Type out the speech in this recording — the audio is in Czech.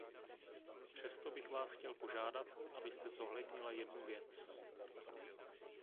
Přesto bych vás chtěl požádat, abyste zohlednila jednu věc.